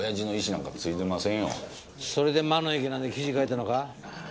それで魔の池なんて記事書いたのか？